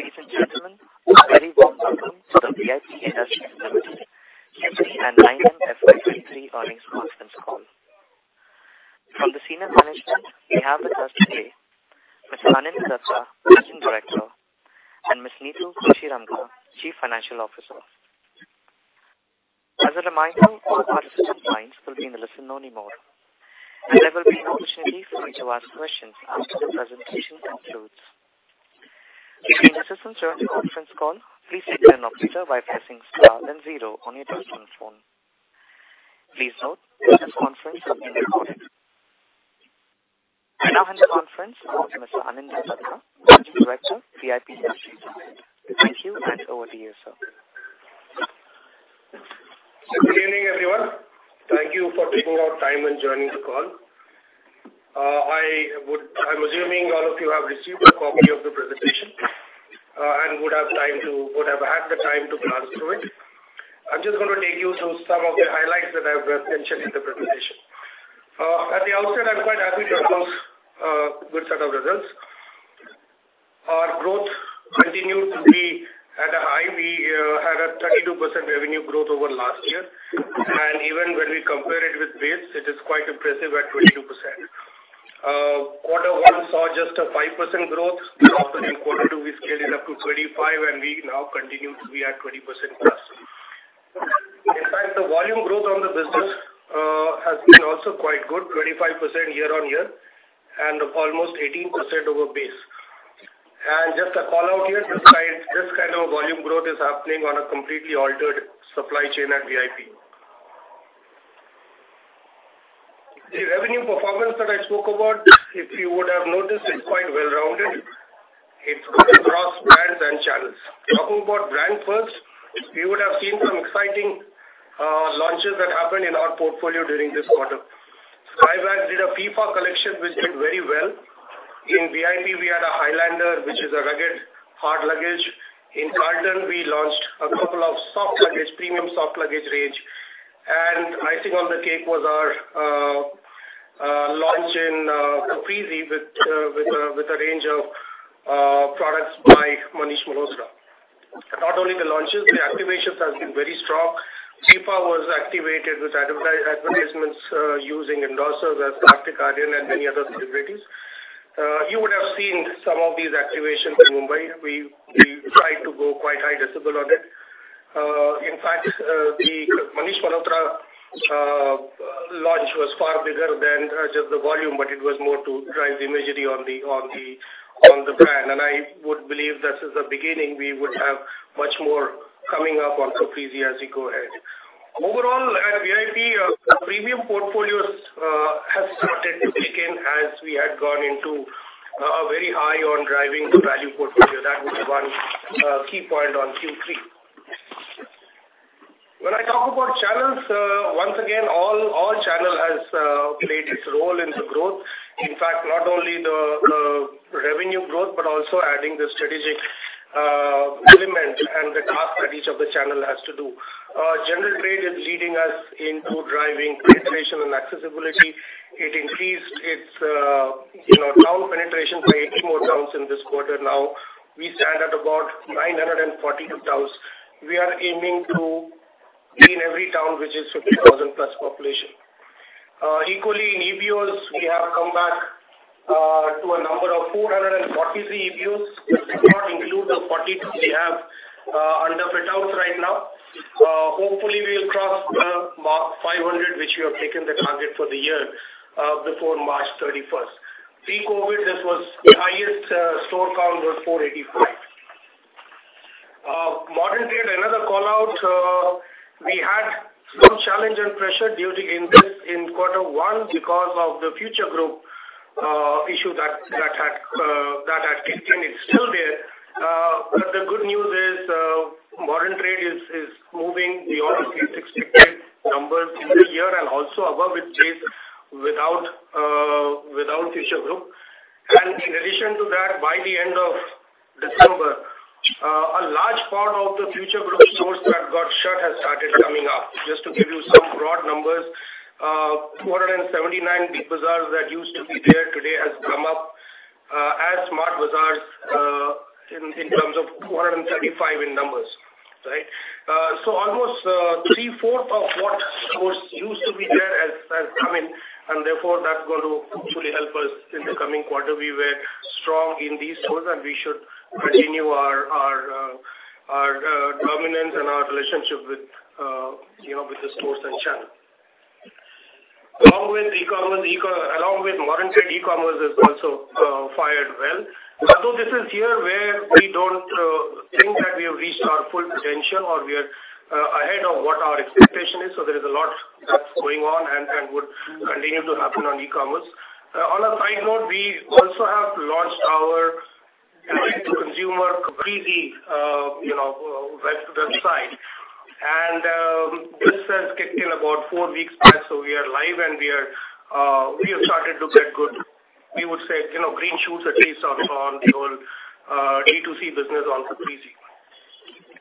Good evening, ladies and gentlemen. Welcome to the VIP Industries Limited Q3 and 9 months FY 2023 earnings conference call. From the senior management, we have with us today, Mr. Anindya Dutta, Managing Director, and Ms. Neetu Kashiramka, Chief Financial Officer. As a reminder, all participant lines will be in a listen-only mode, and there will be an opportunity for you to ask questions after the presentation concludes. If you need assistance during the conference call, please signal an operator by pressing star then zero on your touchtone phone. Please note, this conference is being recorded. I now hand the conference over to Mr. Anindya Dutta, Managing Director, VIP Industries. Thank you, and over to you, sir. Good evening, everyone. Thank you for taking out time and joining the call. I'm assuming all of you have received a copy of the presentation, and would have had the time to glance through it. I'm just going to take you through some of the highlights that I've mentioned in the presentation. At the outset, I'm quite happy to announce a good set of results. Our growth continued to be at a high. We had a 32% revenue growth over last year, and even when we compare it with base, it is quite impressive at 22%. Quarter one saw just a 5% growth. After in quarter two, we scaled it up to 25, and we now continue to be at 20%+. In fact, the volume growth on the business has been also quite good, 25% year-on-year and almost 18% over base. Just a call out here, this kind of volume growth is happening on a completely altered supply chain at VIP. The revenue performance that I spoke about, if you would have noticed, it's quite well-rounded. It's good across brands and channels. Talking about brand first, you would have seen some exciting launches that happened in our portfolio during this quarter. Skybags did a FIFA collection, which did very well. In VIP, we had a Highlander, which is a rugged, hard luggage. In Carlton, we launched a couple of soft luggage, premium soft luggage range, and icing on the cake was our launch in Caprese with a range of products by Manish Malhotra. Not only the launches, the activations have been very strong. FIFA was activated with advertisements, using endorsers as Kartik Aaryan and many other celebrities. You would have seen some of these activations in Mumbai. We tried to go quite high decibel on it. In fact, the Manish Malhotra launch was far bigger than just the volume, but it was more to drive the imagery on the brand. And I would believe this is the beginning. We would have much more coming up on Caprese as we go ahead. Overall, at VIP, the premium portfolios have started again as we had gone into very high on driving the value portfolio. That was one key point on Q3. When I talk about channels, once again, all, all channel has played its role in the growth. In fact, not only the, the revenue growth, but also adding the strategic, element and the task that each of the channel has to do. Our general trade is leading us into driving penetration and accessibility. It increased its, you know, town penetration by 80 more towns in this quarter. Now, we stand at about 942 towns. We are aiming to be in every town, which is 50,000+ population. Equally, in EBOs, we have come back to a number of 443 EBOs. This does not include the 42 we have under fit-outs right now. Hopefully, we'll cross the mark 500, which we have taken the target for the year, before March 31. Pre-COVID, this was the highest store count was 485. Modern trade, another call out, we had some challenge and pressure during this quarter one because of the Future Group issue that had kicked in, it's still there. But the good news is, modern trade is moving beyond its expected numbers in the year and also above its base without Future Group. In addition to that, by the end of December, a large part of the Future Group stores that got shut has started coming up. Just to give you some broad numbers, 479 Big Bazaars that used to be there today has come up as Smart Bazaars in terms of 435 in numbers, right? So almost three-fourths of what stores used to be there has come in, and therefore, that's going to hopefully help us in the coming quarter. We were strong in these stores, and we should continue our dominance and our relationship with, you know, with the stores and channel. Along with modern trade, e-commerce has also fired well. Although this is here where we don't think that we have reached our full potential or we are ahead of what our expectation is, so there is a lot that's going on and would continue to happen on e-commerce. On a side note, we also have launched our direct-to-consumer Caprese website. This has kicked in about four weeks past, so we are live, and we are, we have started to get good. We would say, you know, green shoots at least on, on the whole, D2C business on Caprese.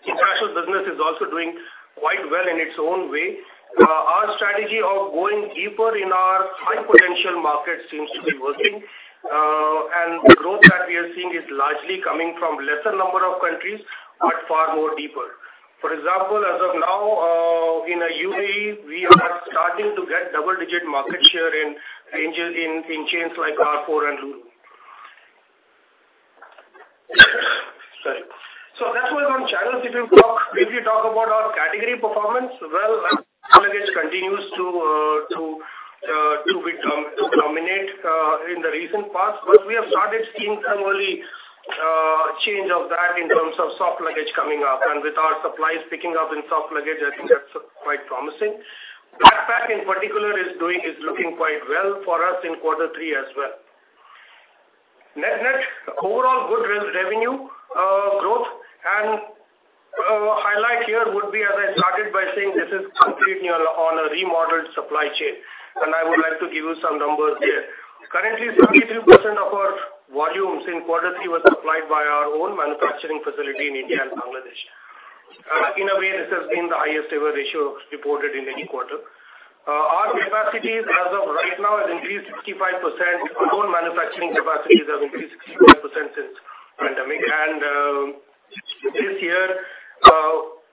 The international business is also doing quite well in its own way. Our strategy of going deeper in our high potential markets seems to be working. The growth that we are seeing is largely coming from lesser number of countries, but far more deeper. For example, as of now, in the UAE, we are starting to get double-digit market share in range in, in chains like Carrefour and Lulu. Sorry. That was on channels. If you talk, if you talk about our category performance, well, hard luggage continues to dominate in the recent past, but we have started seeing some early change of that in terms of soft luggage coming up. And with our supplies picking up in soft luggage, I think that's quite promising. Backpack, in particular, is looking quite well for us in quarter three as well. Net-net, overall good revenue growth. And highlight here would be, as I started by saying, this is completely on a remodeled supply chain, and I would like to give you some numbers here. Currently, 73% of our volumes in quarter three was supplied by our own manufacturing facility in India and Bangladesh. And in a way, this has been the highest ever ratio reported in any quarter. Our capacities as of right now have increased 65%. Our own manufacturing capacities have increased 65% since pandemic. This year,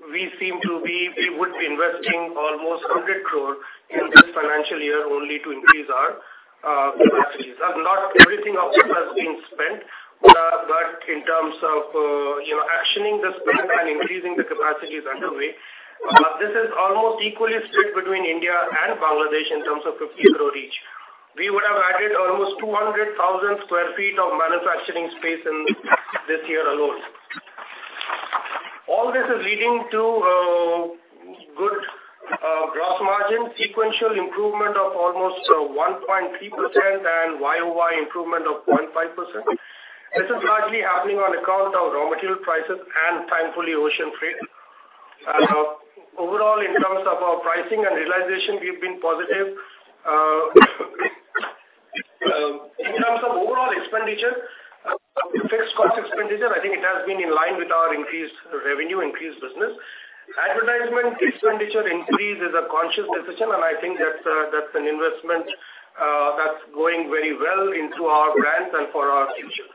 we would be investing almost 100 crore in this financial year only to increase our capacities. And not everything of it has been spent, but in terms of, you know, actioning the spend and increasing the capacities underway, this is almost equally split between India and Bangladesh in terms of 50 crore each. We would have added almost 200,000 sq ft of manufacturing space in this year alone. All this is leading to good gross margin, sequential improvement of almost 1.3% and YOY improvement of 0.5%. This is largely happening on account of raw material prices and thankfully, ocean freight. Overall, in terms of our pricing and realization, we've been positive. In terms of overall expenditure, fixed cost expenditure, I think it has been in line with our increased revenue, increased business. Advertisement expenditure increase is a conscious decision, and I think that's, that's an investment, that's going very well into our brands and for our future.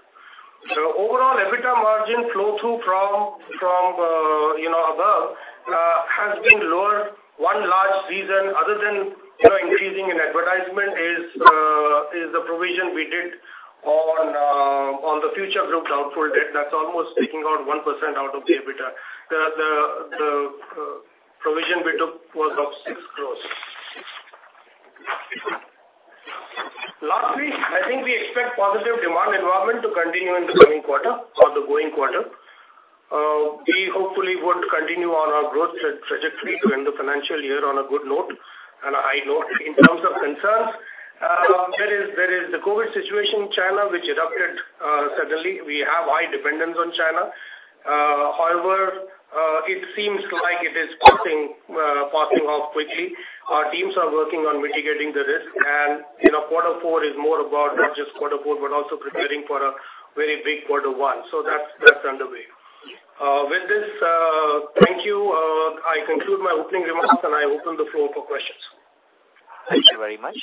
So overall, EBITDA margin flow through from, from, you know, above, has been lower. One large reason other than, you know, increasing in advertisement is, is the provision we did on, on the Future Group doubtful debt. That's almost taking out 1% out of the EBITDA. The, the, the, provision we took was of 6 crore. Lastly, I think we expect positive demand environment to continue in the coming quarter or the going quarter. We hopefully would continue on our growth trajectory to end the financial year on a good note and a high note. In terms of concerns, there is the COVID situation in China, which erupted suddenly. We have high dependence on China. However, it seems like it is passing off quickly. Our teams are working on mitigating the risk, and you know, quarter four is more about not just quarter four, but also preparing for a very big quarter one. So that's underway. With this, thank you. I conclude my opening remarks, and I open the floor for questions. Thank you very much.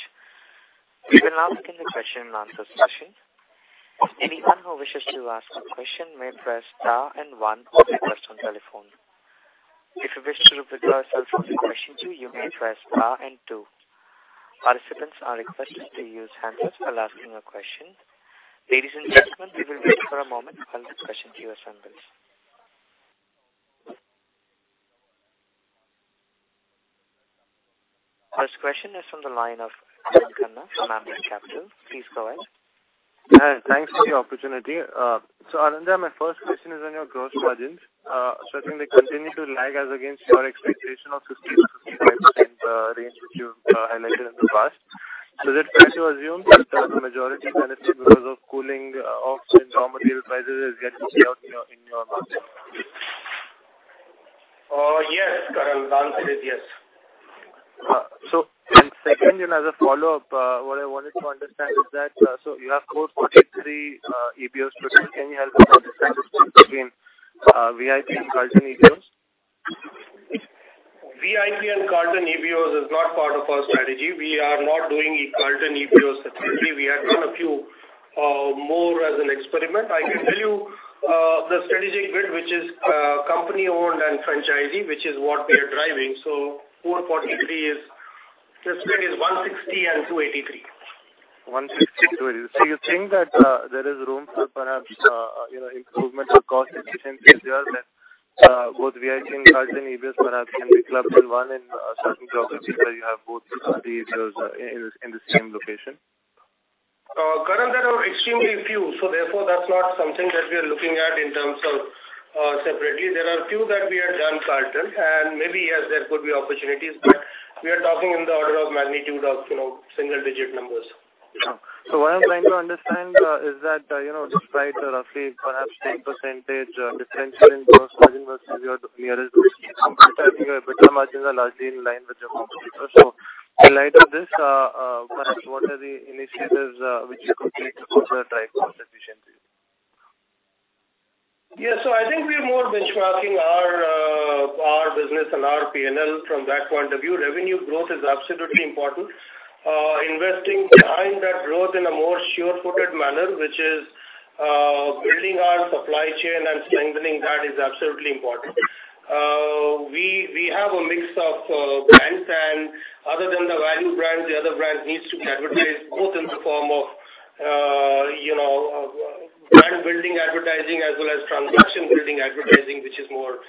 We will now begin the question and answer session. Anyone who wishes to ask a question may press star and one on their personal telephone. If you wish to withdraw yourself from the question queue, you may press star and two. Participants are requested to use handsets while asking a question. Ladies and gentlemen, we will wait for a moment while the question queue assembles. First question is from the line of Karan Khanna from Ambit Capital. Please go ahead. Thanks for the opportunity. So Anindya, my first question is on your gross margins. So I think they continue to lag as against your expectation of 15%-15.5% range, which you've highlighted in the past. So is it fair to assume that the majority benefit because of cooling off in raw material prices is getting paid out in your, in your margin? Yes, Karan. The answer is yes. And second, as a follow-up, what I wanted to understand is that, so you have 443 EBOs today. Can you help us understand between VIP and Carlton EBOs? VIP and Carlton EBOs is not part of our strategy. We are not doing Carlton EBOs specifically. We have done a few, more as an experiment. I can tell you, the strategic bit, which is, company-owned and franchisee, which is what we are driving. So 443 is... The split is 160 and 283. 160, 283. So you think that, there is room for perhaps, you know, improvement or cost efficiencies here, then, both VIP and Carlton EBOs perhaps can be clubbed in one in a certain geographies where you have both of the EBOs in the same location? Karan, there are extremely few, so therefore, that's not something that we are looking at in terms of separately. There are a few that we have done, Carlton, and maybe, yes, there could be opportunities, but we are talking in the order of magnitude of, you know, single digit numbers. So what I'm trying to understand is that, you know, despite the roughly perhaps 10% differential in gross margin versus your nearest competitor, your EBITDA margins are largely in line with your competitors. So in light of this, what are the initiatives which you could take to further drive cost efficiency? Yeah, so I think we're more benchmarking our, our business and our P&L from that point of view. Revenue growth is absolutely important. Investing behind that growth in a more sure-footed manner, which is, building our supply chain and strengthening that is absolutely important. We have a mix of brands, and other than the value brands, the other brands needs to be advertised, both in the form of, you know, brand building advertising as well as transaction building advertising, which is more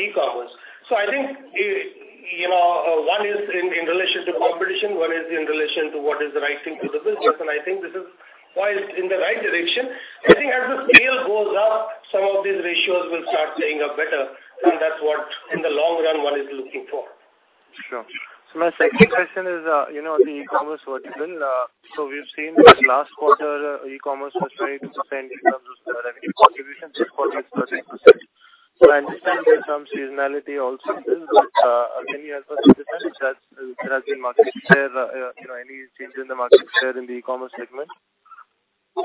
e-commerce. So I think, you know, one is in relation to competition, one is in relation to what is the right thing for the business, and I think this is while in the right direction.I think as the scale goes up, some of these ratios will start playing up better, and that's what in the long run, one is looking for. Sure. So my second question is, you know, the e-commerce vertical, so we've seen that last quarter, e-commerce was 20% in terms of the revenue contribution, this quarter it's 13%. So I understand there's some seasonality also, but, can you help us understand that there has been market share, you know, any changes in the market share in the e-commerce segment? So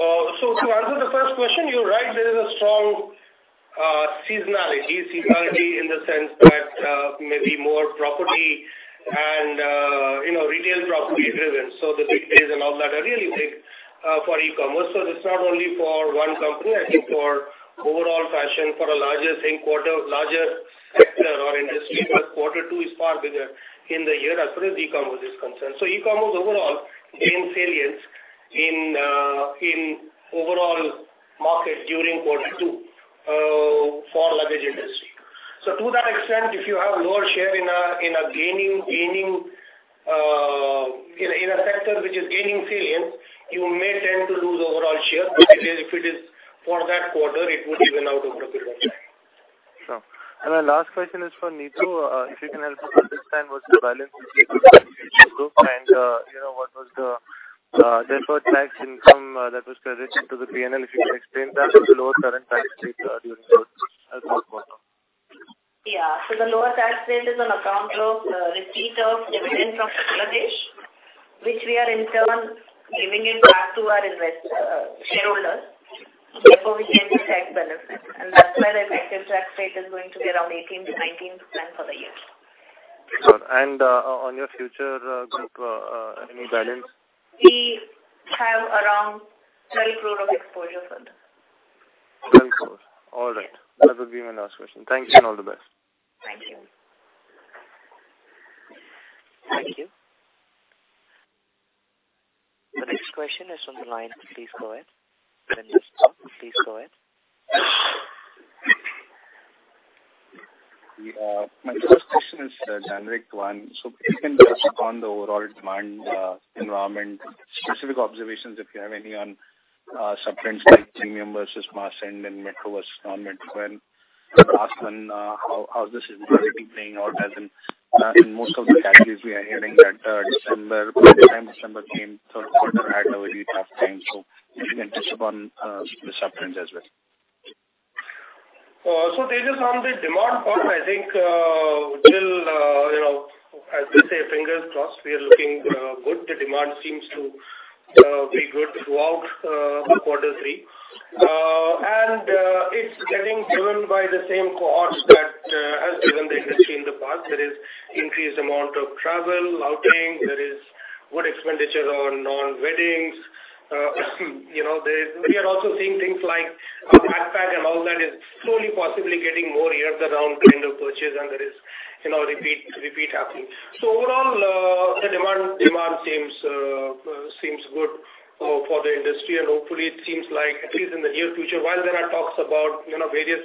to answer the first question, you're right, there is a strong seasonality. Seasonality in the sense that, maybe more property and, you know, retail property driven. So the big days and all that are really big for e-commerce. So it's not only for one company, I think for overall fashion, for a larger same quarter, larger sector or industry, quarter two is far bigger in the year as far as e-commerce is concerned. So e-commerce overall gains salience in overall market during quarter two for luggage industry. So to that extent, if you have lower share in a gaining in a sector which is gaining salience, you may tend to lose overall share. But if it is for that quarter, it would even out over a period of time. Sure. My last question is for Neetu. If you can help us understand what's the balance between group, and, you know, what was the deferred tax income that was credited to the PNL, if you could explain that with lower current tax rate during the fourth quarter? Yeah. So the lower tax rate is on account of receipt of dividend from Bangladesh, which we are in turn giving it back to our shareholders. Therefore, we get the tax benefit, and that's where the effective tax rate is going to be around 18%-19% for the year. Sure. And, on your future, group, any guidance? We have around 12 crore of exposure for this. 12 crore. All right. That would be my last question. Thank you, and all the best. Thank you. Thank you. The next question is on the line. Please go ahead. Then just talk. Please go ahead. Yeah, my first question is a generic one. So can you touch upon the overall demand environment, specific observations, if you have any, on subtrends like premium versus mass, and then metro versus non-metro? And last, on how this is really playing out, as in, in most of the categories we are hearing that December, December came, so quarter had a very tough time. So if you can touch upon the subtrends as well. So Tejas, on the demand part, I think, till, you know, as we say, fingers crossed, we are looking good. The demand seems to be good throughout quarter three. And it's getting driven by the same cohorts that has driven the industry in the past. There is increased amount of travel, outing. There is good expenditure on weddings. You know, there... We are also seeing things like backpack and all that is slowly possibly getting more year-round kind of purchase, and there is, you know, repeat happening. So overall, the demand seems good for the industry, and hopefully it seems like at least in the near future, while there are talks about, you know, various,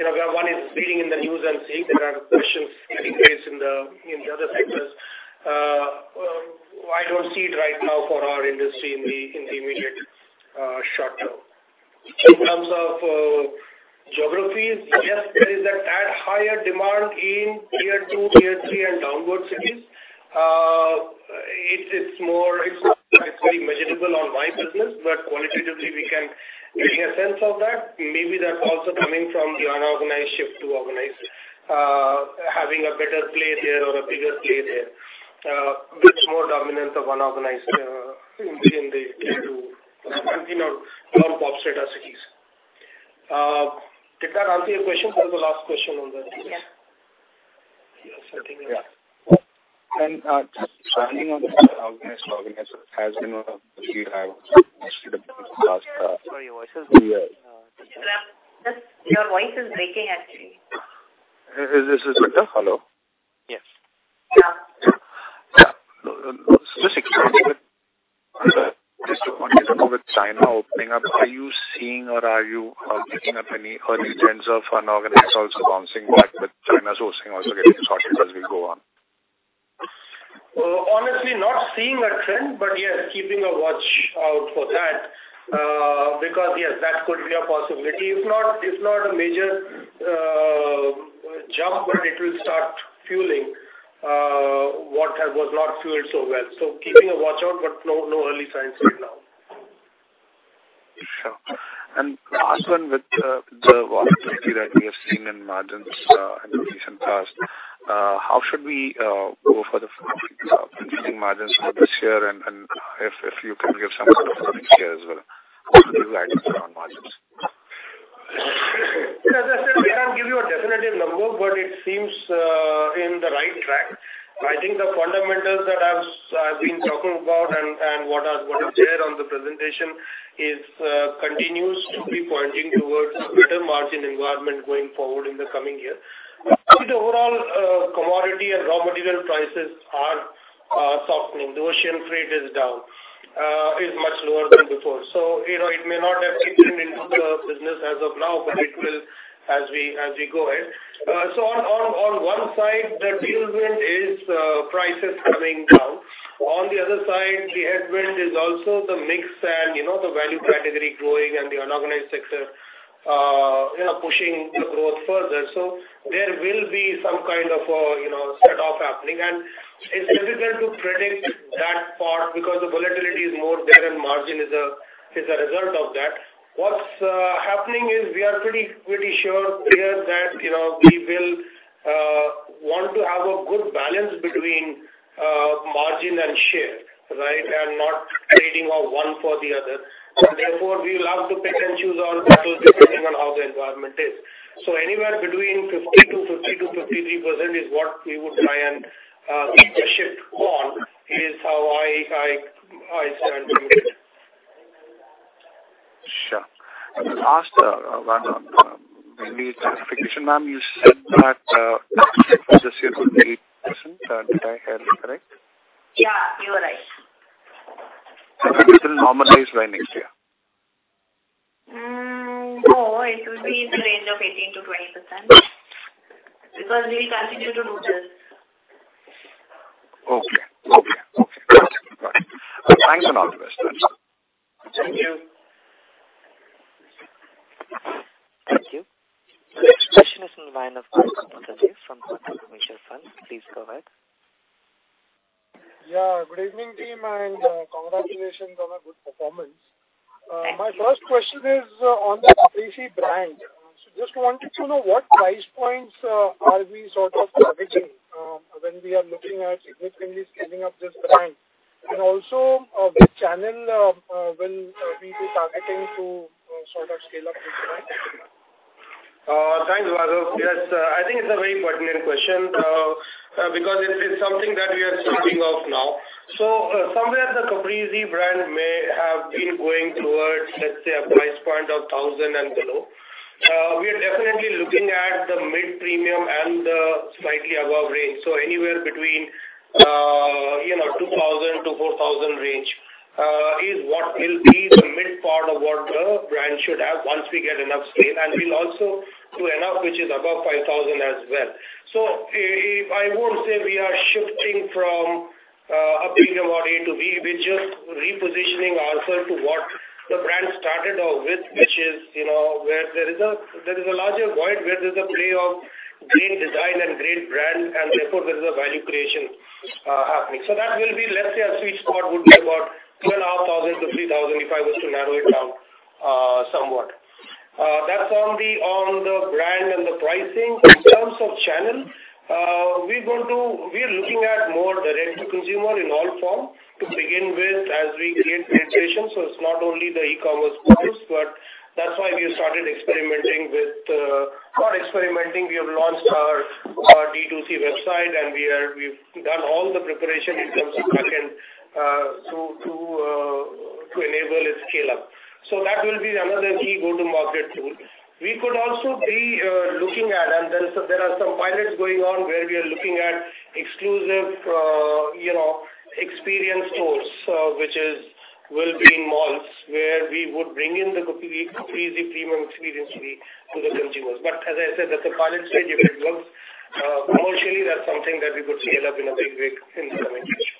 you know, where one is reading in the news and seeing there are pressures getting faced in the other sectors, I don't see it right now for our industry in the immediate short term. In terms of geographies, yes, there is a higher demand in tier two, tier three, and downward cities. It's more, it's very measurable on my business, but qualitatively we can get a sense of that. Maybe that's also coming from the unorganized shift to organized. Having a better play there or a bigger play there gives more dominance of unorganized in the, in the tier two, you know, non-populous cities. Did that answer your question? That was the last question on the- Yeah. Yes, I think, yeah. And, just expanding on the organized, organized has been a... Sorry, your voice is- Your voice is breaking, actually. This is Tejas. Hello? Yes. Yeah. Yeah. Just to confirm, with China opening up, are you seeing or are you, picking up any early trends of unorganized also bouncing back, with China sourcing also getting sorted as we go on? Honestly, not seeing that trend, but yes, keeping a watch out for that, because yes, that could be a possibility. It's not, it's not a major jump, but it will start fueling what was not fueled so well. So keeping a watch out, but no, no early signs right now.... And last one with the volatility that we have seen in margins in the recent past, how should we go for the margins for this year? And if you can give some sort of guidance here as well, your guidance on margins? As I said, we can't give you a definitive number, but it seems on the right track. I think the fundamentals that I've been talking about and what is there on the presentation continues to be pointing towards a better margin environment going forward in the coming year. I think the overall commodity and raw material prices are softening. The ocean freight is down, is much lower than before. So, you know, it may not have kicked in into the business as of now, but it will as we go ahead. So on one side, the tailwind is prices coming down. On the other side, the headwind is also the mix and, you know, the value category growing and the unorganized sector, you know, pushing the growth further. So there will be some kind of a, you know, set off happening. It's difficult to predict that part because the volatility is more there, and margin is a, is a result of that. What's happening is we are pretty, pretty sure, clear that, you know, we will want to have a good balance between margin and share, right? Not trading off one for the other. Therefore, we will have to pick and choose our battles depending on how the environment is. So anywhere between 50-52, 53% is what we would try and keep the ship on, is how I stand to it. Sure. And the last one on maybe certification. Ma'am, you said that this year would be 8%. Did I hear you correct? Yeah, you are right. So it will normalize by next year? No, it will be in the range of 18%-20%, because we will continue to do this. Okay. Okay. Okay. Thanks a lot. Thank you. Thank you. The next question is in the line of course, from Kotak Mutual Funds. Please go ahead. Yeah, good evening, team, and, congratulations on a good performance. Thank you. My first question is on the Caprese brand. Just wanted to know what price points are we sort of targeting when we are looking at significantly scaling up this brand? And also, which channel will we be targeting to sort of scale up this brand? Thanks, Varun. Yes, I think it's a very pertinent question, because it's something that we are starting off now. So, somewhere the Caprese brand may have been going towards, let's say, a price point of 1,000 and below. We are definitely looking at the mid-premium and the slightly above range. So anywhere between, you know, 2,000-4,000 range, is what will be the mid part of what the brand should have once we get enough scale. And we'll also do enough, which is above 5,000 as well. So if I won't say we are shifting from a premium or A to B, we're just repositioning ourselves to what the brand started off with, which is, you know, where there is a larger void, where there's a play of great design and great brand, and therefore there is a value creation happening. So that will be, let's say, our sweet spot would be about 2,500-3,000, if I was to narrow it down somewhat. That's on the brand and the pricing. In terms of channel, we're looking at more direct to consumer in all form to begin with as we create penetration. So it's not only the e-commerce points, but that's why we started experimenting with not experimenting, we have launched our D2C website, and we've done all the preparation in terms of back-end to enable it scale up. So that will be another key go-to-market tool. We could also be looking at, and there are some pilots going on, where we are looking at exclusive you know experience stores which will be in malls, where we would bring in the Caprese premium experience to the consumers. But as I said, that's a pilot stage. If it works commercially, that's something that we could scale up in a big, big in the coming future.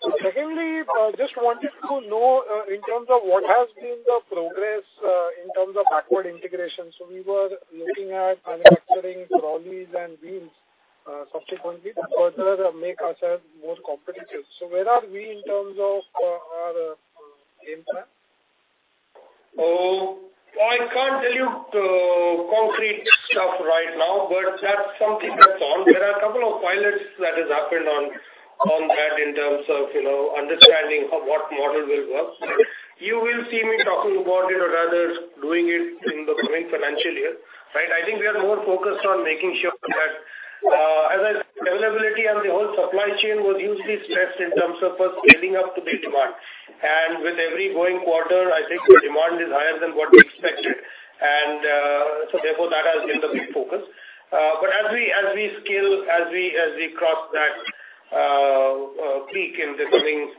Okay. So secondly, just wanted to know, in terms of what has been the progress, in terms of backward integration. So we were looking at manufacturing trolleys and wheels, subsequently, to further make ourselves more competitive. So where are we in terms of our game plan? Oh, I can't tell you, concrete stuff right now, but that's something that's on. There are a couple of pilots that has happened on that in terms of, you know, understanding of what model will work. You will see me talking about it or rather, doing it in the coming financial year, right? I think we are more focused on making sure that Availability and the whole supply chain was usually stressed in terms of us scaling up to the demand. With every growing quarter, I think the demand is higher than what we expected, and, so therefore, that has been the big focus. But as we scale, as we cross that peak in this coming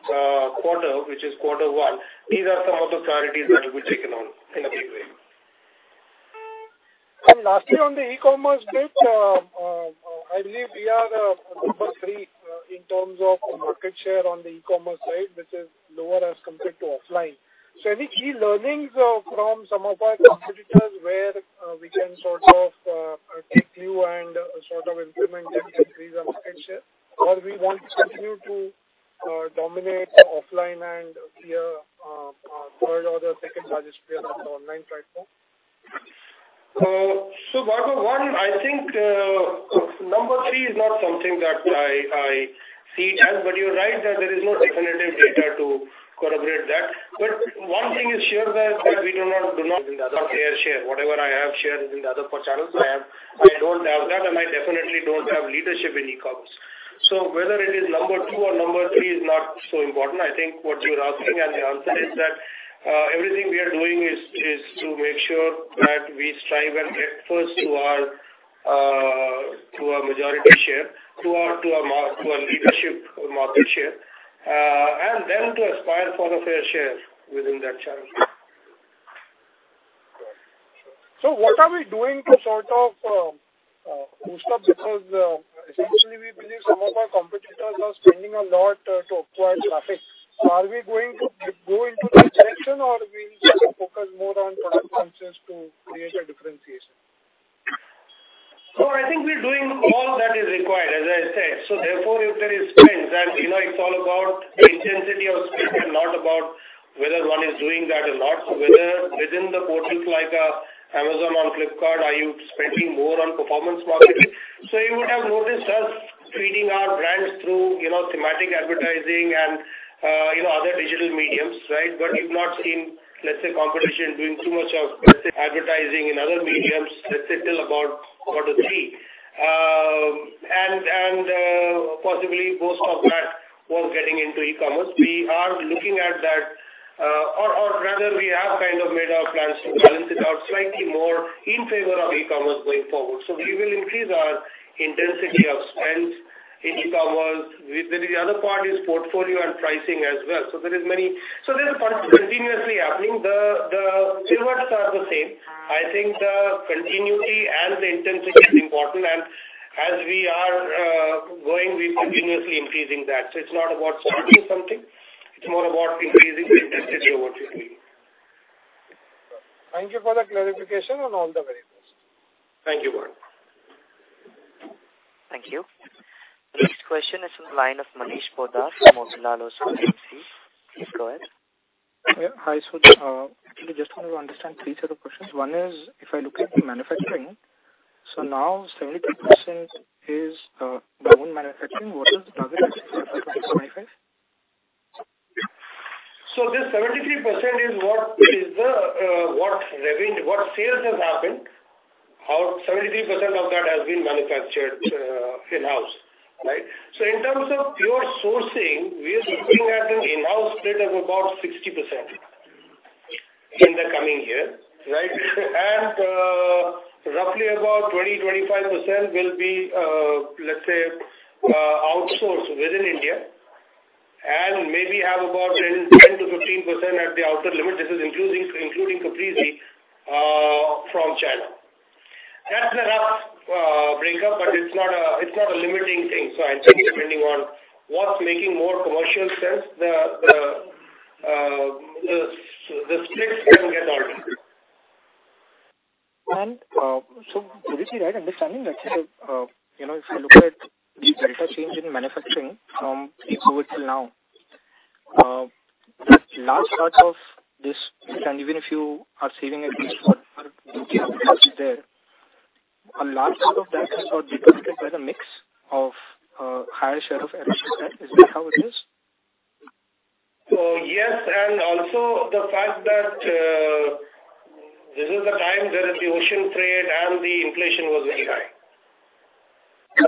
quarter, which is quarter one, these are some of the priorities that will be taken on in a big way. Lastly, on the e-commerce bit, I believe we are number three in terms of market share on the e-commerce side, which is lower as compared to offline. Any key learnings from some of our competitors where we can sort of implemented increase on market share, or we want to continue to dominate the offline and be a third or the second largest player of the online platform? So Bhargav, one, I think, number three is not something that I see it as, but you're right that there is no definitive data to corroborate that. But one thing is sure that we do not share. Whatever I have shared in the other four channels, I don't have that, and I definitely don't have leadership in e-commerce. So whether it is number two or number three is not so important. I think what you're asking, and the answer is that everything we are doing is to make sure that we strive and get first to our majority share, to our leadership market share, and then to aspire for the fair share within that channel. So what are we doing to sort of boost up? Because essentially, we believe some of our competitors are spending a lot to acquire traffic. So are we going to go into that direction, or we'll just focus more on product functions to create a differentiation? So I think we're doing all that is required, as I said. So therefore, if there is spend, then, you know, it's all about the intensity of spend and not about whether one is doing that or not. So whether within the portals like Amazon or Flipkart, are you spending more on performance marketing? So you would have noticed us treating our brands through, you know, thematic advertising and you know, other digital mediums, right? But you've not seen, let's say, competition doing too much of, let's say, advertising in other mediums, let's say till about quarter three. And possibly most of that was getting into e-commerce. We are looking at that, or rather, we have kind of made our plans to balance it out slightly more in favor of e-commerce going forward. So we will increase our intensity of spend in e-commerce. With the other part is portfolio and pricing as well. So there is many... So there's continuously happening. The pivots are the same. I think the continuity and the intensity is important, and as we are going, we're continuously increasing that. So it's not about starting something, it's more about increasing the intensity of what you're doing. Thank you for the clarification on all the variables. Thank you, [Bhargav]. Thank you. The next question is in the line of Manish Poddar from Motilal Oswal. Please go ahead. Yeah. Hi, so, actually, just wanted to understand three set of questions. One is, if I look at the manufacturing, so now 73% is your own manufacturing. What is the other 25? So this 73% is what, is the, what revenue, what sales has happened, how 73% of that has been manufactured in-house, right? So in terms of pure sourcing, we are looking at an in-house rate of about 60% in the coming year, right? And roughly about 20-25% will be, let's say, outsourced within India, and maybe have about 10-15% at the outer limit. This is including Caprese from China. That's the rough breakup, but it's not a limiting thing. So I think depending on what's making more commercial sense, the splits can get altered. Did I see that understanding that, you know, if you look at the delta change in manufacturing from April till now, large parts of this, and even if you are saving at least what are there, a large part of that is got deducted by the mix of, higher share of airship, is that how it is? So yes, and also the fact that this is the time there is the ocean trade and the inflation was very high.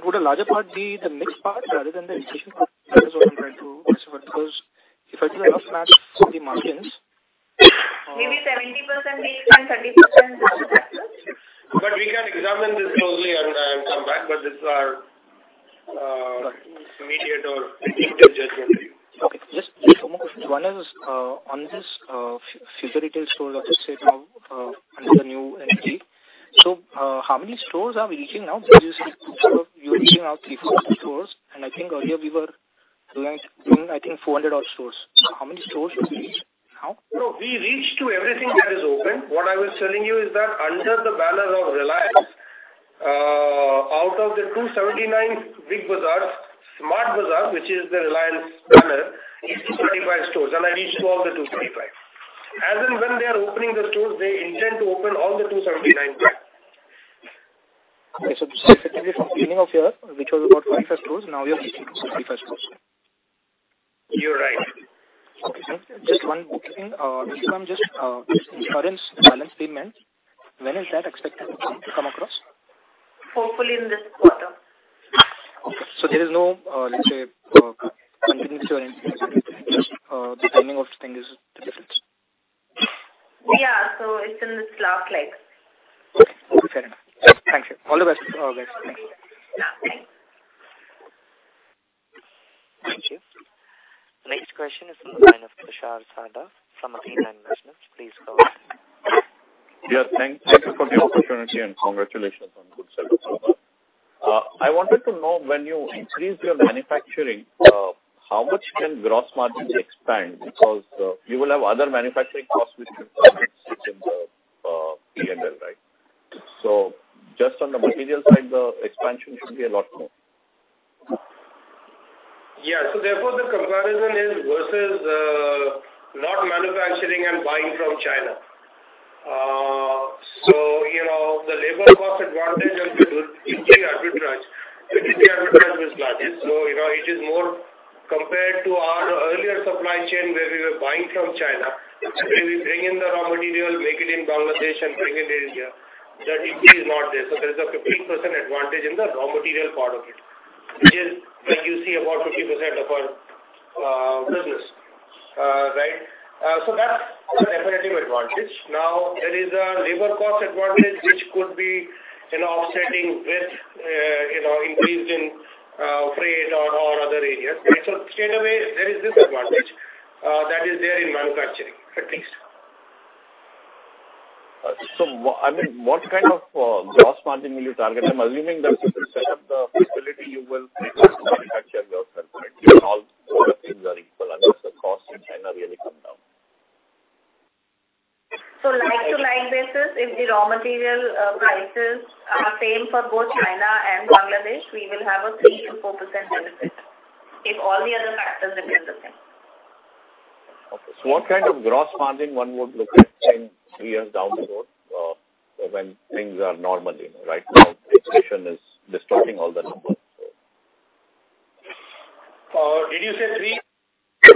Would a larger part be the mix part rather than the inflation part? That is what I'm trying to understand, because if I do enough math, the margins. Maybe 70% mix and 30% factor. But we can examine this closely and come back, but this are immediate or judgment. Okay, just two more questions. One is on this Future Retail store, let's say, now another new entity. So, how many stores are we reaching now? Because you're reaching out 3-4 stores, and I think earlier we were relying, I think, 400-odd stores. So how many stores have we reached now? No, we reached to everything that is open. What I was telling you is that under the banner of Reliance, out of the 279 Big Bazaar, Smart Bazaar, which is the Reliance banner, is 275 stores, and I reached to all the 275. As and when they are opening the stores, they intend to open all the 279. So effectively from beginning of year, which was about 21 stores, now we are 61 stores. You're right. Okay, thank you. Just one more thing, this one just, insurance balance payment. When is that expected to come, to come across? Hopefully in this quarter. Okay. So there is no, let's say, continuing insurance. The timing of the thing is the difference. Yeah, so it's in the slot leg. Okay. Okay, fair enough. Thank you. All the best. All the best. Yeah, thanks. Thank you. Next question is from the line of Tushar Sarda from Athena Investments. Please go ahead. Yeah, thank you for the opportunity and congratulations on good service so far. I wanted to know when you increase your manufacturing, how much can gross margin expand? Because, you will have other manufacturing costs which can in the, PNL, right? So just on the material side, the expansion should be a lot more. Yeah. So therefore, the comparison is versus, not manufacturing and buying from China. So, you know, the labor cost advantage and the duty arbitrage, the duty arbitrage is large. So, you know, it is more compared to our earlier supply chain, where we were buying from China, where we bring in the raw material, make it in Bangladesh and bring it in India. The duty is not there. So there is a 15% advantage in the raw material part of it, which is, like you see, about 50% of our, business. Right? So that's a definitive advantage. Now, there is a labor cost advantage, which could be, you know, offsetting with, you know, increase in, freight or, or other areas. So straight away, there is this advantage, that is there in manufacturing, at least. I mean, what kind of gross margin will you target? I'm assuming that if you set up the facility, you will manufacture yourself, if all other things are equal, unless the costs in China really come down. So like-to-like basis, if the raw material prices are same for both China and Bangladesh, we will have a 3%-4% benefit, if all the other factors remain the same. Okay. So what kind of gross margin one would look at in three years down the road, when things are normal, you know? Right now, inflation is distorting all the numbers. Did you say three?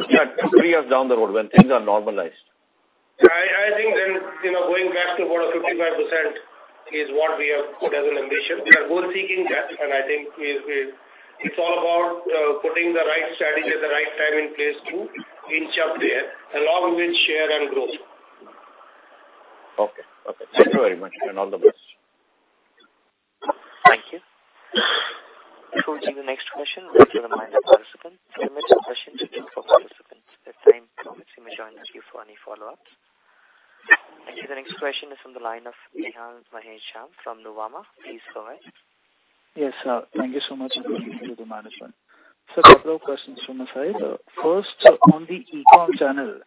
Yeah, three years down the road when things are normalized. I think then, you know, going back to about a 55% is what we have put as an ambition. We are goal seeking that, and I think we... It's all about putting the right strategy at the right time in place to inch up there, along with share and growth. Okay. Okay. Thank you very much, and all the best. Thank you. Before we take the next question, wait on the line of silence. Limit your question to two for silence. At the same time, you may join us you for any follow-ups. Thank you. The next question is on the line of Nihal Mahesh Jham from Nuvama. Please go ahead. Yes, sir. Thank you so much for the management. So a couple of questions from my side. First, on the e-com channel,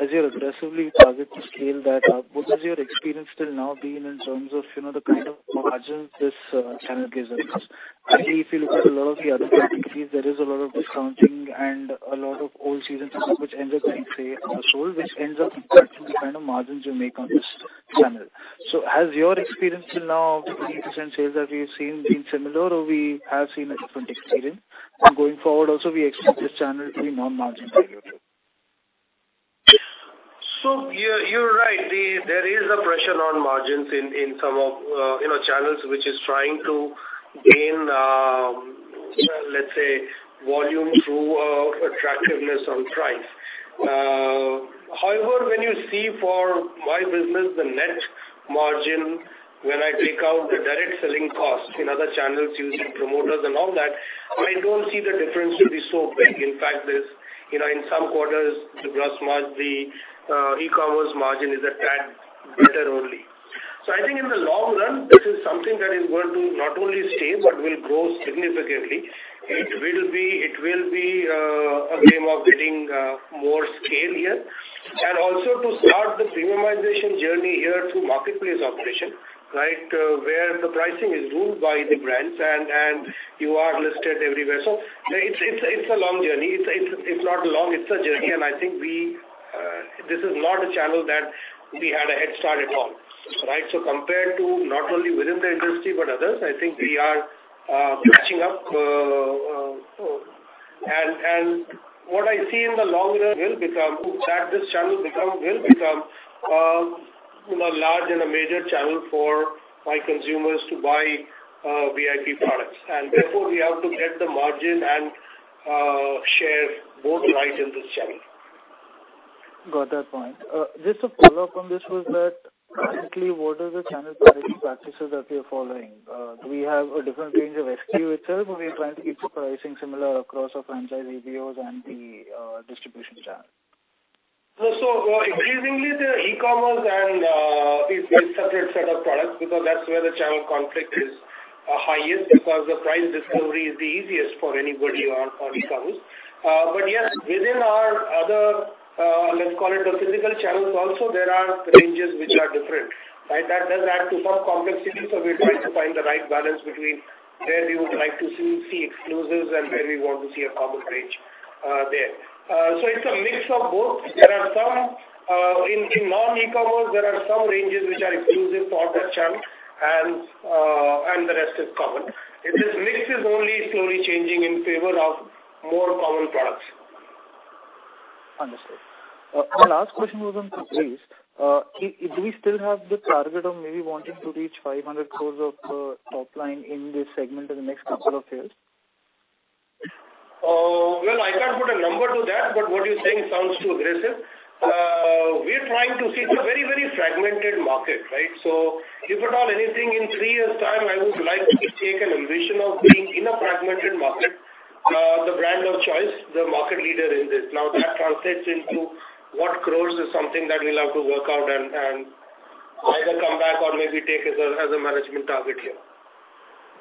as you aggressively target to scale that up, what has your experience till now been in terms of, you know, the kind of margins this channel gives us? I feel if you look at a lot of the other categories, there is a lot of discounting and a lot of old seasons, which ends up being free or sold, which ends up impacting the kind of margins you make on this channel. So has your experience till now, the 3% sales that we've seen, been similar, or we have seen a different experience? And going forward, also, we expect this channel to be more margin contributor. You're right. There is a pressure on margins in some of, you know, channels, which is trying to gain, let's say, volume through attractiveness on price. However, when you see for my business, the net margin, when I take out the direct selling costs in other channels using promoters and all that, I don't see the difference to be so big. In fact, there's, you know, in some quarters, the gross margin, the e-commerce margin is a tad better only. So I think in the long run, this is something that is going to not only stay but will grow significantly. It will be a game of getting more scale here, and also to start the premiumization journey here through marketplace operation, right? Where the pricing is ruled by the brands and you are listed everywhere. So it's a long journey. It's not long, it's a journey, and I think this is not a channel that we had a head start at all, right? So compared to not only within the industry, but others, I think we are catching up, and what I see in the long run will become that this channel will become, you know, large and a major channel for my consumers to buy VIP products. And therefore, we have to get the margin and share both right in this channel. Got that point. Just a follow-up on this was that, basically, what are the channel pricing practices that you're following? Do we have a different range of SKU itself, or are we trying to keep the pricing similar across our franchise ABOs and the distribution channel? So increasingly, the e-commerce and is a separate set of products, because that's where the channel conflict is highest, because the price discovery is the easiest for anybody on e-commerce. But yes, within our other, let's call it the physical channels also, there are ranges which are different, right? That does add to some complexity, so we're trying to find the right balance between where we would like to see exclusives and where we want to see a common range there. So it's a mix of both. There are some in non-e-commerce, there are some ranges which are exclusive to all the channel and and the rest is common. And this mix is only slowly changing in favor of more common products. Understood. My last question was on Caprese. Do we still have the target of maybe wanting to reach 500 crore of top line in this segment in the next couple of years? Well, I can't put a number to that, but what you're saying sounds too aggressive. We are trying to see it's a very, very fragmented market, right? So if at all, anything in three years' time, I would like to take an ambition of being in a fragmented market, the brand of choice, the market leader in this. Now, that translates into what growth is something that we'll have to work out and, and either come back or maybe take as a, as a management target here.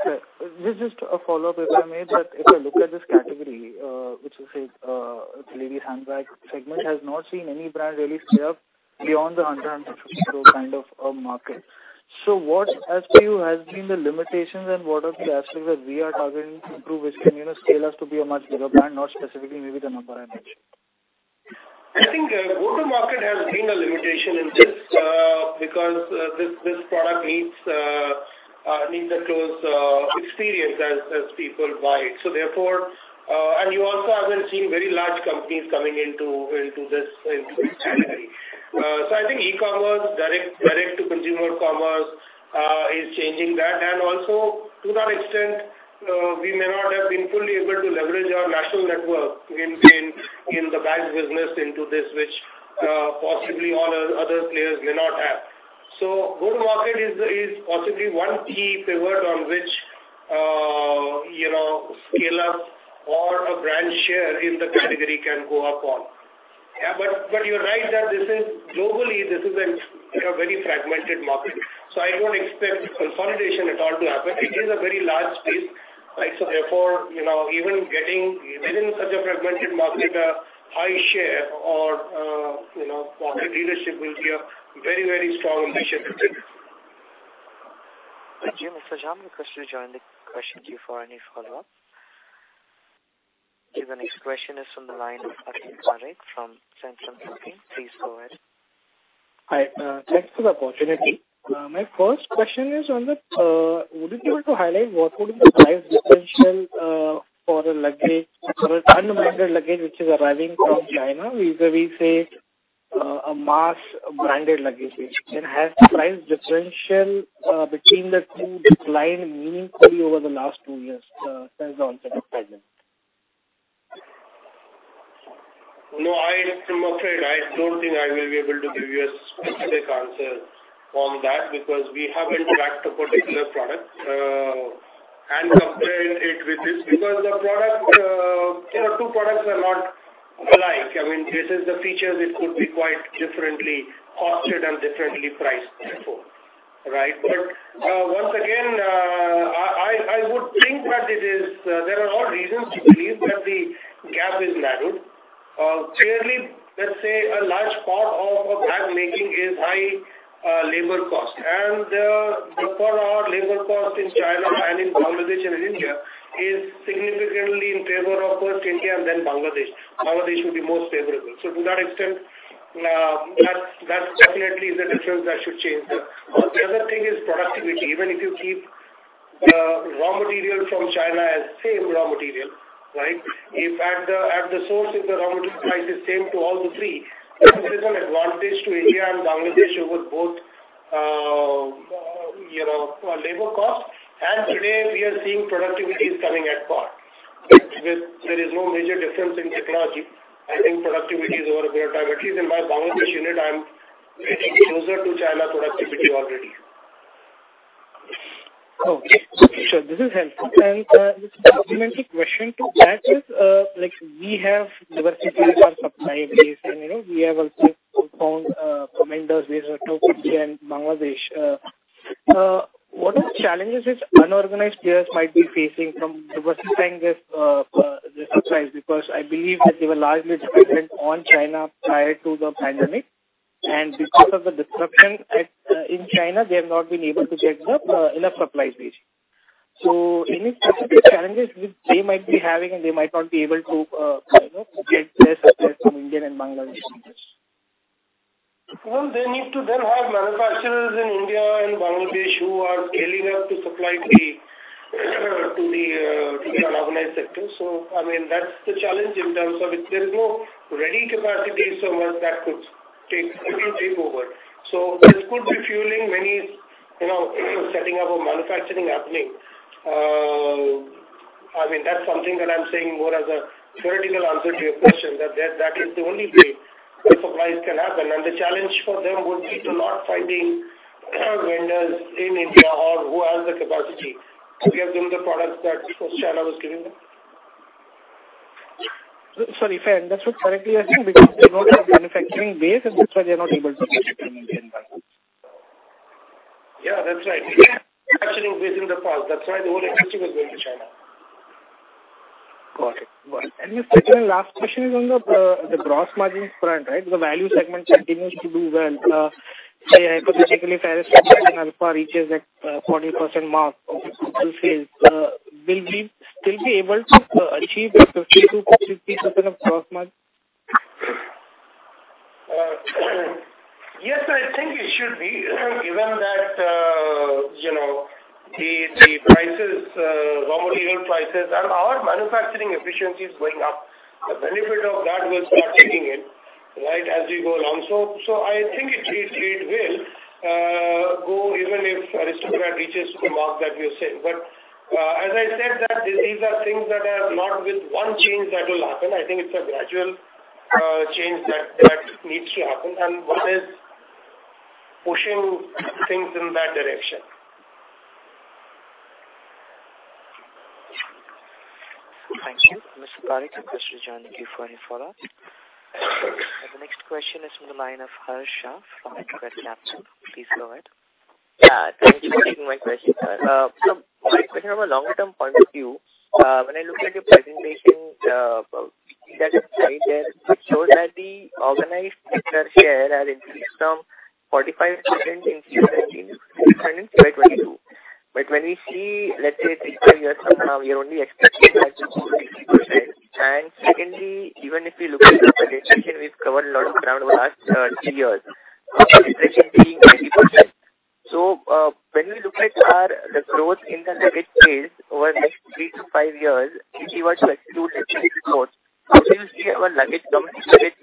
Yeah. Just, just a follow-up, if I may, that if I look at this category, which is a lady handbag segment, has not seen any brand really scale up beyond the 100-150 crore kind of a market. So what, as per you, has been the limitations and what are the aspects that we are targeting to improve, which can, you know, scale us to be a much bigger brand, not specifically maybe the number I mentioned? I think go-to-market has been a limitation in this, because this product needs a close experience as people buy it. So therefore, and you also haven't seen very large companies coming into this category. So I think e-commerce, direct-to-consumer commerce, is changing that. And also to that extent, we may not have been fully able to leverage our national network in the bags business into this, which possibly all other players may not have. So go-to-market is possibly one key pivot on which, you know, scale up or a brand share in the category can go up on. Yeah, but you're right that this is... globally, this is a very fragmented market. So I don't expect consolidation at all to happen. It is a very large space, right? So therefore, you know, even getting within such a fragmented market, a high share or, you know, market leadership will be a very, very strong initiative. Thank you, Mr. Jham. You may join the question queue for any follow-up. The next question is from the line of Akhil Parekh from Centrum Broking. Please go ahead. Hi. Thanks for the opportunity. My first question is on the, would you be able to highlight what would be the price differential for a luggage, for an unbranded luggage, which is arriving from China? We say a mass branded luggage, and has the price differential between the two declined meaningfully over the last two years since the onset of pandemic? No, I am afraid I don't think I will be able to give you a specific answer on that, because we haven't tracked a particular product and compared it with this, because the product, you know, two products are not alike. I mean, this is the features, it could be quite differently costed and differently priced, therefore, right? But once again, I would think that it is there are all reasons to believe that the gap is narrowed. Clearly, let's say, a large part of bag making is high labor cost. And the for our labor cost in China and in Bangladesh and in India is significantly in favor of first India and then Bangladesh. Bangladesh would be most favorable. So to that extent, that's definitely the difference that should change. The other thing is productivity. Even if you keep raw material from China as same raw material, right? If at the source, if the raw material price is same to all the three, there is an advantage to India and Bangladesh over both, you know, labor cost. And today, we are seeing productivity is coming at par. With there is no major difference in technology. I think productivity is over a period of time, at least in my Bangladesh unit, I'm getting closer to China productivity already. Okay, sure. This is helpful. And, just a complementary question to that is, like, we have diversity with our supply base, and, you know, we have also found vendors based in Turkey and Bangladesh. What are the challenges which unorganized players might be facing from diversifying their supplies? Because I believe that they were largely dependent on China prior to the pandemic, and because of the disruption in China, they have not been able to check the, enough supply base. So any specific challenges which they might be having and they might not be able to, you know, get their supplies from India and Bangladesh? Well, they need to then have manufacturers in India and Bangladesh who are scaling up to supply the unorganized sector. So I mean, that's the challenge in terms of if there is no ready capacity, so much that could take over. So this could be fueling many, you know, setting up a manufacturing happening. I mean, that's something that I'm saying more as a theoretical answer to your question, that is the only way the supplies can happen. And the challenge for them would be to not finding vendors in India or who have the capacity to give them the products that China was giving them. Sorry, if I understood correctly, I think because they don't have manufacturing base, and that's why they are not able to manufacture in India and Bangladesh. Yeah, that's right. Manufacturing was in the past. That's why the whole industry was going to China. Got it. Got it. And the second and last question is on the, the gross margins front, right? The value segment continues to do well. Hypothetically, Aristocrat and Alfa reaches that, 40% mark, will we still be able to achieve a 50%-52% of gross margin? Yes, I think it should be. Given that, you know, the prices, raw material prices and our manufacturing efficiency is going up, the benefit of that will start kicking in, right, as we go along. So I think it will go even if Aristocrat reaches the mark that you said. But as I said, that these are things that are not with one change that will happen. I think it's a gradual change that needs to happen. And one is pushing things in that direction. Thank you, Mr. Parekh, thank you for your follow-up. The next question is from the line of Harsh Shah from InCred Capital. Please go ahead. Thank you for taking my question, sir. So my question from a longer term point of view, when I look at your presentation, that is right there, it shows that the organized sector share has increased from 45% in 2018 to 52% in 2022. But when we see, let's say, three to five years from now, we are only expecting that to 60%. And secondly, even if we look at the presentation, we've covered a lot of ground over the last three years, presently 80%. So, when we look at our, the growth in the luggage space over the next three to five years, if you were to achieve growth, how do you see our luggage space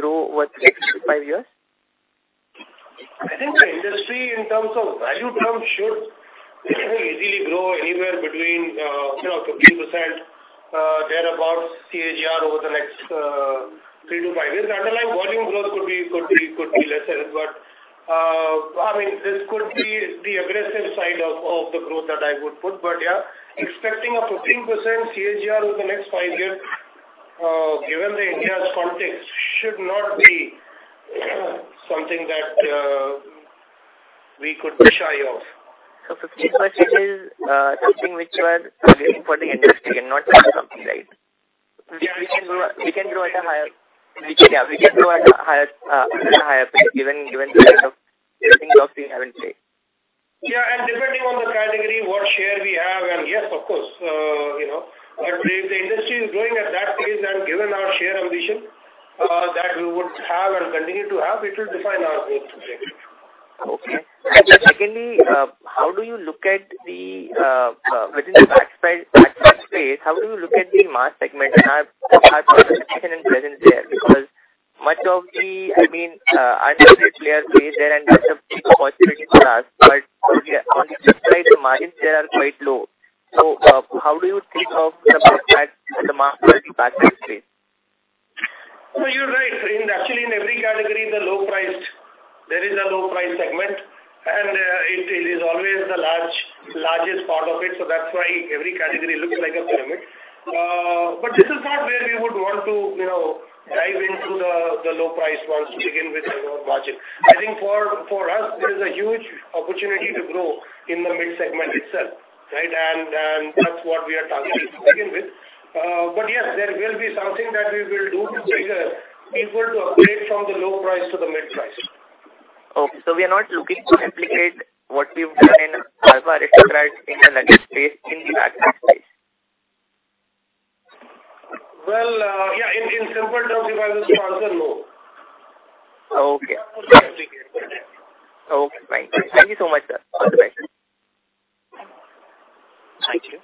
grow over the next five years? I think the industry in terms of value terms should easily grow anywhere between, you know, 15%, thereabout CAGR over the next three to five years. The underlying volume growth could be lesser. But, I mean, this could be the aggressive side of the growth that I would put. But, yeah, expecting a 15% CAGR over the next five years, given India's context, should not be something that we could be shy of. So 15% is something which you are giving for the industry and not something, right? Yeah. We can, yeah, we can grow at a higher pace, given the kind of things we have in play. Yeah, and depending on the category, what share we have, and yes, of course, you know, if the industry is growing at that pace and given our share ambition, that we would have and continue to have, it will define our growth. Okay. And secondly, how do you look at the, within the backpack space, how do you look at the mass segment and our, our position and presence there? Because much of the, I mean, unorganized players play there, and that's a big opportunity for us. But on the flip side, the margins there are quite low. So, how do you think of the fact, the mass backpack space? So you're right. Actually, in every category, the low-priced, there is a low price segment, and it is always the largest part of it, so that's why every category looks like a pyramid. But this is not where we would want to, you know, dive into the low price ones to begin with, our budget. I think for us, there is a huge opportunity to grow in the mid segment itself, right? And that's what we are targeting to begin with. But yes, there will be something that we will do to make the people to upgrade from the low price to the mid price. Okay. We are not looking to replicate what we've done in the Aristocrat, in the luggage space, in the backpack space. Well, yeah, in simple terms, the answer is no. Okay. Okay, bye. Thank you so much, sir. Bye-bye. Thank you.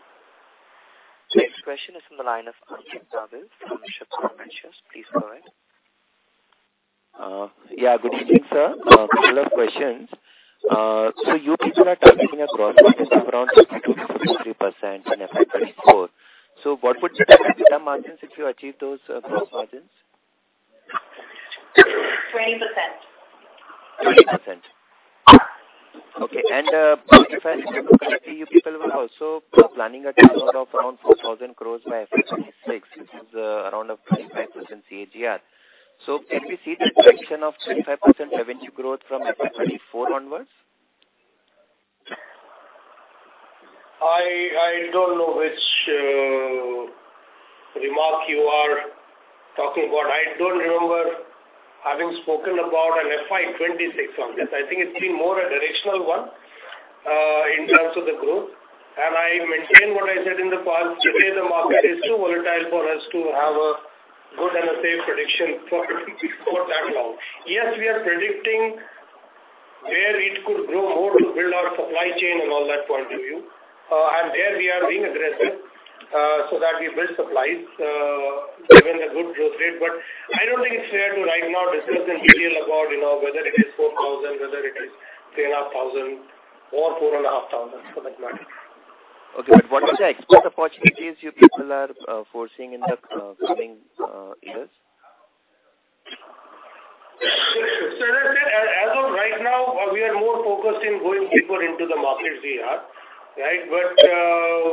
Next question is from the line of [Arjun Davis] from [Scriptures]. Please go ahead. Yeah, good evening, sir. Couple of questions. So you people are targeting a growth of around 62%-63% in FY 2024. So what would be the margins if you achieve those growth margins? 20%. 20%. Okay, and, if I remember correctly, you people were also planning a takeout of around 4,000 crore by FY 2026. This is around a 25% CAGR. So can we see the projection of 25% revenue growth from FY 2024 onwards? I don't know which remark you are talking about. I don't remember having spoken about an FY 2026 on this. I think it's been more a directional one in terms of the growth. I maintain what I said in the call today. The market is too volatile for us to have a good and a safe prediction for that long. Yes, we are predicting where it could grow more to build our supply chain and all that point of view. And there we are being aggressive so that we build supplies given the good growth rate. But I don't think it's fair to right now discuss in detail about, you know, whether it is 4,000, whether it is 3,500 or 4,500 for that matter. Okay, but what are the export opportunities you people are foreseeing in the coming years? So as I said, as of right now, we are more focused in going deeper into the markets we are, right? But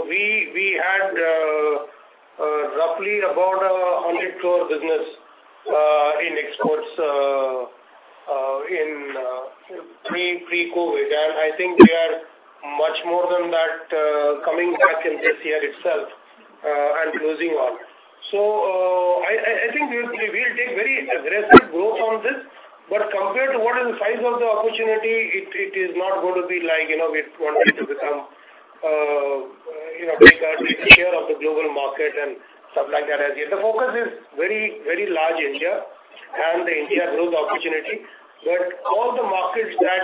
we had roughly about 100 crore business in exports in pre-COVID. And I think we are much more than that coming back in this year itself and closing on. So I think we will take very aggressive growth on this, but compared to what is the size of the opportunity, it is not going to be like, you know, we want it to become, you know, bigger share of the global market and stuff like that. The focus is very, very large India and the India growth opportunity. But all the markets that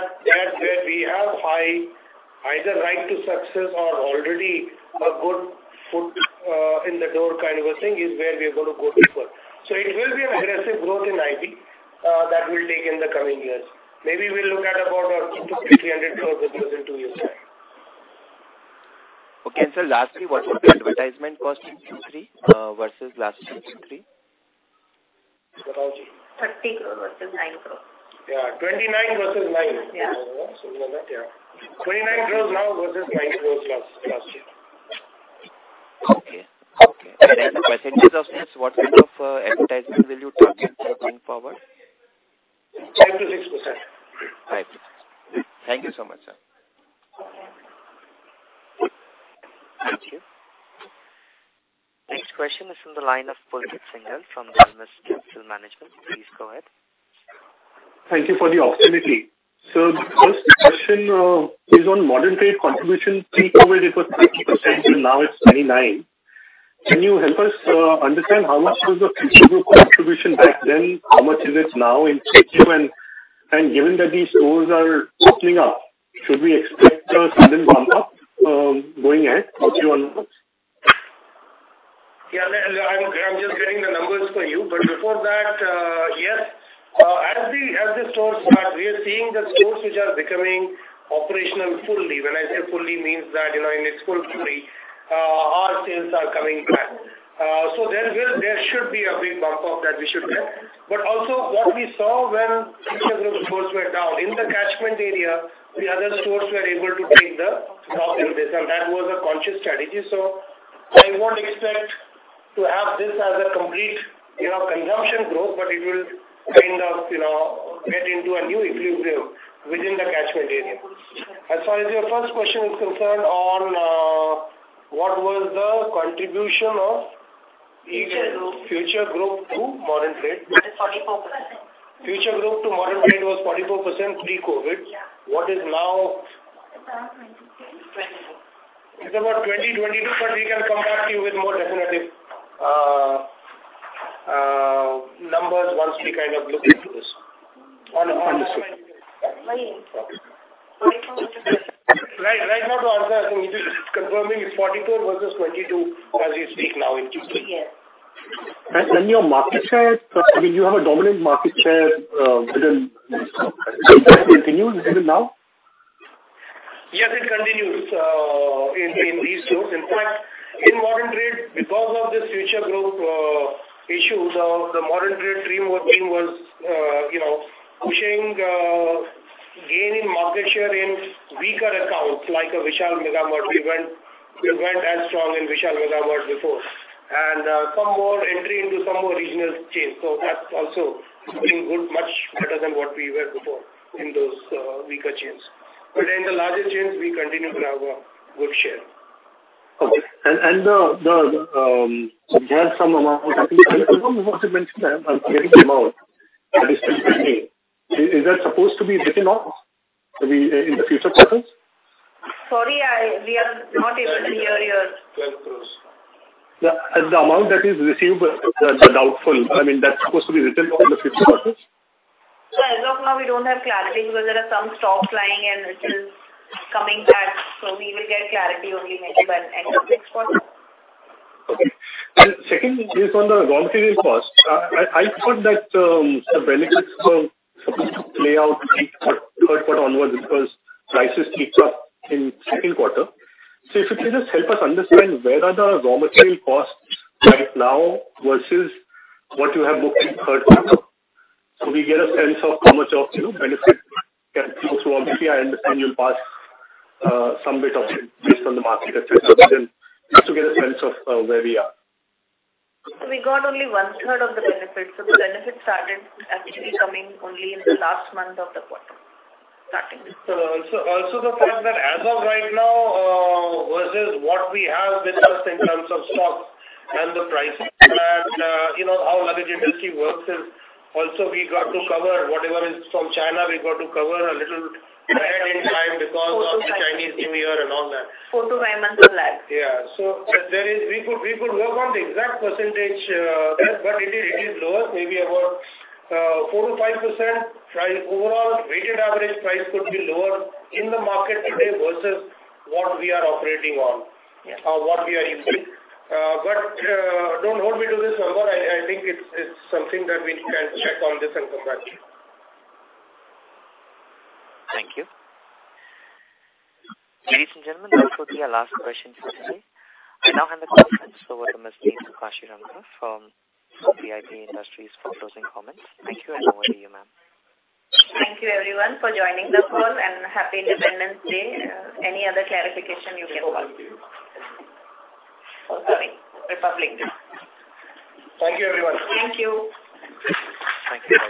where we have high, either right to success or already a good foot, in the door kind of a thing, is where we are going to go before. So it will be an aggressive growth in IB, that will take in the coming years. Maybe we'll look at about 200 crore-300 crore in two years. Okay, and so lastly, what was the advertisement cost in Q3 versus last Q3? What was it? 30 crore versus INR 9 crore. Yeah, 29 versus nine. Yeah. So yeah. 29 crores now versus 9 crores last year. Okay. Okay. And then the percentages of this, what kind of advertisement will you target going forward? 10%-6%. Right. Thank you so much, sir. Thank you. Next question is from the line of Pulkit Singhal from the Dalmus Capital Management. Please go ahead. Thank you for the opportunity. The first question is on modern trade contribution. Pre-COVID, it was 30%, and now it's 29%. Can you help us understand how much was the Future Group contribution back then? How much is it now in Q3? And given that these stores are opening up, should we expect a sudden bump up going ahead for Q1? Yeah, I'm just getting the numbers for you. But before that, yes, as the stores start, we are seeing the stores which are becoming operational fully. When I say fully, means that, you know, in its full fully, our sales are coming back. So there should be a big bump up that we should get. But also what we saw when Future Group stores were down, in the catchment area, the other stores were able to take the bump in this, and that was a conscious strategy. So I won't expect to have this as a complete, you know, consumption growth, but it will kind of, you know, get into a new equilibrium within the catchment area. As far as your first question is concerned on, what was the contribution of- Future Group. Future Group to modern trade? 44%. Future Group to modern trade was 44% pre-COVID. Yeah. What is now? It's now 22. It's about 2022, but we can come back to you with more definitive numbers once we kind of look into this. On this. Right. Right now, the answer, I think, is confirming it's 44 versus 22 as we speak now in Q3. Yes. And then your market share, I mean, you have a dominant market share within. Does that continue even now? Yes, it continues in these stores. In fact, in modern trade, because of this Future Group issue, the modern trade team working was, you know, pushing, gaining market share in weaker accounts like a Vishal Mega Mart. We went, we went as strong in Vishal Mega Mart before. And, some more entry into some more regional chains. So that's also doing good, much better than what we were before in those weaker chains. But in the larger chains, we continue to have a good share. Okay. And we had some amount mentioned. I'm getting the amount. Is that supposed to be written off in the future purchase? Sorry, we are not able to hear you. INR 12 crores. Yeah, the amount that is received, the doubtful, I mean, that's supposed to be written off in the future purchase? As of now, we don't have clarity because there are some stocks lying and it is coming back, so we will get clarity only maybe by end of next quarter. Okay. And second, based on the raw material cost, I thought that the benefits of play out third quarter onwards because prices picked up in second quarter. So if you could just help us understand where are the raw material costs right now versus what you have booked in third quarter, so we get a sense of how much of, you know, benefit can go through and you'll pass some bit of it based on the market to get a sense of where we are. We got only 1/3 of the benefit. The benefit started actually coming only in the last month of the quarter, starting. Also, also the fact that as of right now, versus what we have with us in terms of stock and the pricing and, you know, how luggage industry works is also we got to cover whatever is from China. We got to cover a little ahead in time because of the Chinese New Year and all that. 4-5 months in lag. Yeah. We could work on the exact percentage, but it is lower, maybe about 4%-5%. Price, overall, weighted average price could be lower in the market today versus what we are operating on- Yeah. or what we are using. But, don't hold me to this number. I think it's something that we can check on this and come back to you. Thank you. Ladies and gentlemen, this will be our last question for today. I now hand the conference over to Ms. Neetu Kashiramka from VIP Industries for closing comments. Thank you, and over to you, ma'am. Thank you everyone for joining the call and Happy Independence Day. Any other clarification you can call. Sorry, Republic Day. Thank you, everyone. Thank you. Thank you.